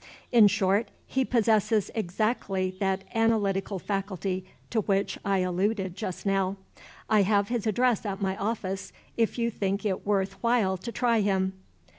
In short, he possesses exactly that analytical faculty to which I alluded just now. I have his address at my office, if you think it worth while to try him."